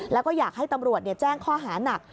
แล้วก็อยากให้ตำรวจแจ้งข้อหานัก